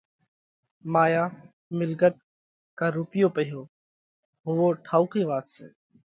مايا، مِلڳت ڪا رُوپيو پئِيهو هووَو ٺائُوڪئِي وات سئہ